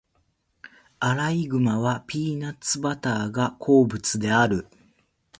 アライグマはピーナッツバターが好物である。